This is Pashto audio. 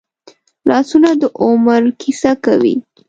لاسونه د عمر کیسه کوي